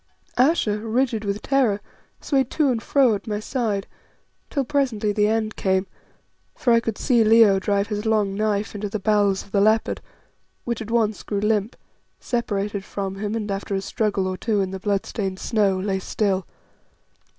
Ayesha, rigid with terror, swayed to and fro at my side, till presently the end came, for I could see Leo drive his long knife into the bowels of the leopard, which at once grew limp, separated from him, and after a struggle or two in the bloodstained snow, lay still.